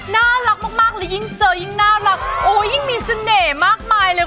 น่ารักมากเลยยิ่งเจอยิ่งน่ารักโอ้ยยิ่งมีเสน่ห์มากมายเลย